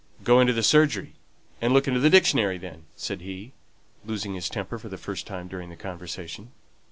'" "Go into the surgery, and look into the dictionary, then," said he, losing his temper for the first time during the conversation.